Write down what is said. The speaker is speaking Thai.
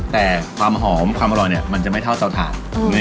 แต่ความหอมความอร่อยเนี่ยมันจะไม่เท่าเตาถ่าน